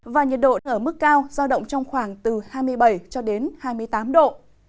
và nhiệt độ ở mức cao giao động trong khoảng từ hai mươi bảy cho đến hai mươi tám độ